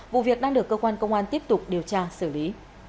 vụ việc đang được cơ quan công an tiếp tục điều tra xử lý